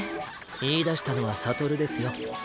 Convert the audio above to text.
言いだしたのは悟ですよ。